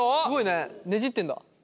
ねじってんだ。